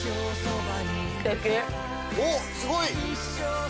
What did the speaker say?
おっすごい！